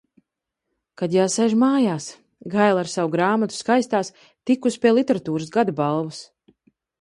Kad jāsēž mājās. Gaile ar savu grāmatu "Skaistās" tikusi pie Literatūras gada balvas.